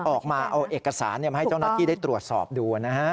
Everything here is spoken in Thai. ออกมาเอาเอกสารมาให้เจ้าหน้าที่ได้ตรวจสอบดูนะฮะ